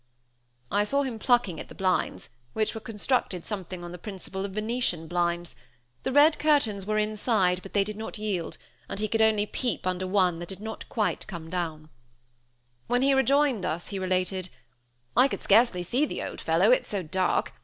I saw him plucking at the blinds, which were constructed something on the principle of Venetian blinds; the red curtains were inside; but they did not yield, and he could only peep under one that did not come quite down. When he rejoined us, he related: "I could scarcely see the old fellow, it's so dark.